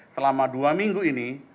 selama dua minggu ini